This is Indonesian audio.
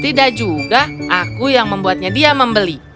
tidak juga aku yang membuatnya dia membeli